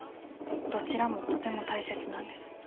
どちらもとても大切なんです。